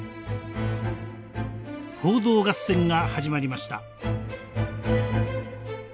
報道合戦が始まりました。